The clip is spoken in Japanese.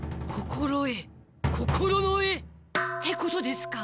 心の絵ってことですか？